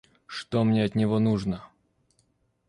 Что мне от него нужно!